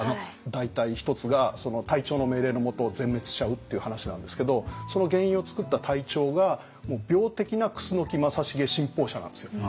大隊１つが隊長の命令のもと全滅しちゃうっていう話なんですけどその原因を作った隊長がもう病的な楠木正成信奉者なんですよ。